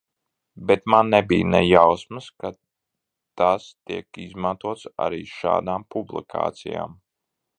Bet man nebija ne jausmas, ka tas tiek izmantots arī šādām publikācijām.